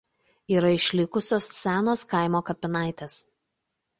Yra išlikusios senos kaimo kapinaitės.